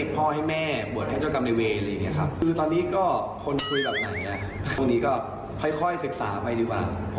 เพราะว่าบทเรียนก็มีเยอะแหละ